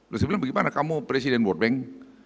loh saya bilang bagaimana kamu presiden world bank